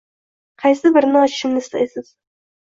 Qaysi birini ochishimni istaysiz?